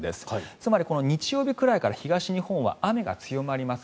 つまり、日曜日ぐらいから東日本は雨が強まります。